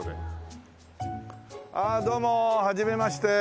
ああどうもはじめまして。